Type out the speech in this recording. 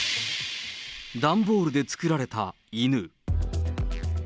段ボールで作られた犬。